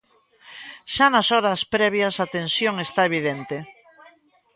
Xa nas horas previas a tensión esta evidente.